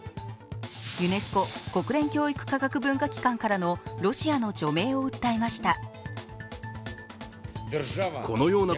ユネスコ＝国連教育科学文化機関からのロシアの除名を訴えました。